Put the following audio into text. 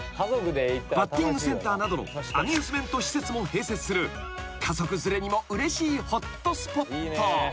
［バッティングセンターなどのアミューズメント施設も併設する家族連れにもうれしいホットスポット］